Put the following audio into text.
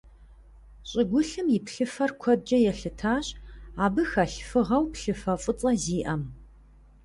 ЩӀыгулъым и плъыфэр куэдкӀэ елъытащ абы хэлъ фыгъэу плъыфэ фӀыцӀэ зиӀэм.